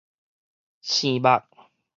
醬肉